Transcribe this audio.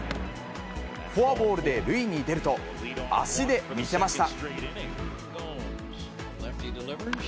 フォアボールで塁に出ると、足で見せました。